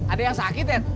ada yang sakit ded